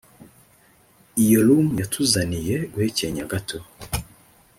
iyo rum yatuzaniye, (guhekenya gato).